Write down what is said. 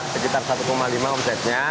sekitar satu lima omsetnya